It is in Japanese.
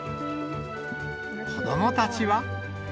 子どもたちは。